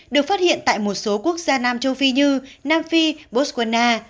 được phát hiện tại một số quốc gia nam châu phi như nam phi botswana